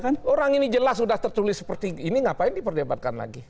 kan orang ini jelas sudah tertulis seperti ini ngapain diperdebatkan lagi